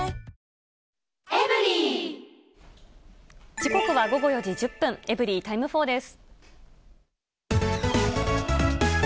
時刻は午後４時１０分、エブリィタイム４です。